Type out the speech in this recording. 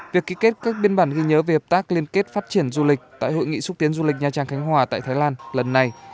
việc ký kết các biên bản ghi nhớ về hợp tác liên kết phát triển du lịch tại hội nghị xúc tiến du lịch nha trang khánh hòa tại thái lan lần này